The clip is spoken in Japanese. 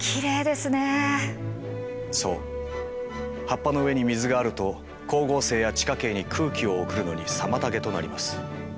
葉っぱの上に水があると光合成や地下茎に空気を送るのに妨げとなります。